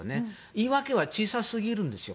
言い訳が小さすぎるんですよ